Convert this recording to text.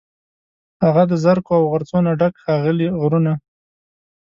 هغه د زرکو، او غرڅو، نه ډک، ښاغلي غرونه